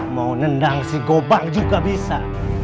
mau nendang si gobang juga bisa